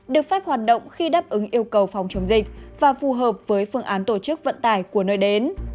được phép hoạt động khi đáp ứng yêu cầu phòng chống dịch và phù hợp với phương án tổ chức vận tải của nơi đến